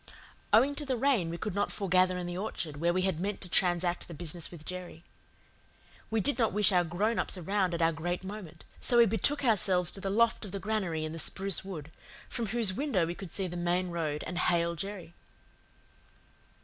Owing to the rain we could not foregather in the orchard, where we had meant to transact the business with Jerry. We did not wish our grown ups around at our great moment, so we betook ourselves to the loft of the granary in the spruce wood, from whose window we could see the main road and hail Jerry.